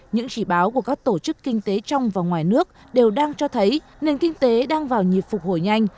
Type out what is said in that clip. những chỉ báo của các tổ chức kinh tế trong và ngoài nước đều đang cho thấy nền kinh tế đang vào nhịp phục hồi nhanh